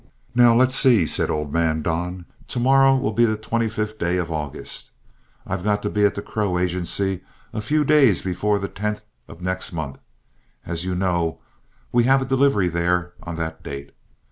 "Now, let's see," said old man Don, "tomorrow will be the 25th day of August. I've got to be at the Crow Agency a few days before the 10th of next month, as you know we have a delivery there on that date.